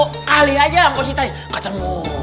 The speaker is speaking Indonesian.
kali aja positai gak ketemu